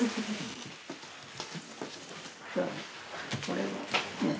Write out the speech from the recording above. これは何？